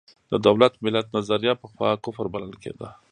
د دولت–ملت نظریه پخوا کفر بلل کېده.